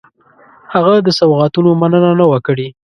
هغه د سوغاتونو مننه نه وه کړې.